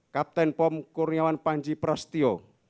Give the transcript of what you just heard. kapten pomp kurniawan panji prastio